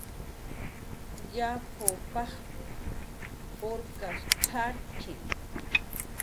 "Yapw paj urkas t""arki"